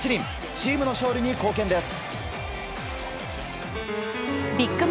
チームの勝利に貢献です。